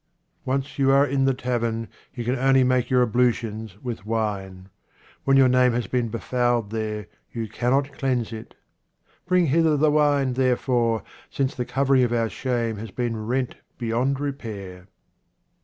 Once you are in the tavern, you can only make your ablutions with wine. When your name has been befouled there, you cannot cleanse it. Bring hither the wine, therefore, since the covering of our shame has been rent beyond repair.